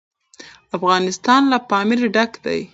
افغانستان له پامیر ډک دی.